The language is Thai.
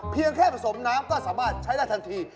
เพียงแค่ผสมน้ำก็สามารถใช้ได้ทันที